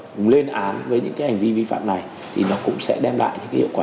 cùng lên án với những cái hành vi vi phạm này thì nó cũng sẽ đem lại những cái hiệu quả